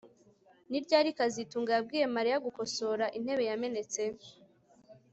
Ni ryari kazitunga yabwiye Mariya gukosora intebe yamenetse